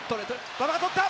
馬場がとった。